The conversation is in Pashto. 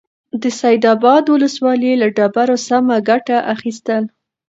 د سيدآباد ولسوالۍ له ډبرو سمه گټه اخيستل: